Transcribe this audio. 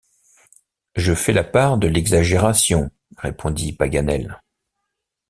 Je fais la part de l’exagération, répondit Paganel.